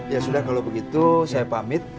ya sudah kalau begitu saya pamit